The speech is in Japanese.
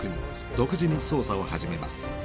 独自に捜査を始めます。